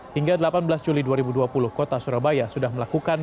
hingga delapan belas juli dua ribu dua puluh kota surabaya sudah melakukan